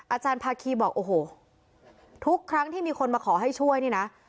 อาจารย์ภาคีบอกโอ้โหทุกครั้งที่มีคนมาขอให้ช่วยนี่นะ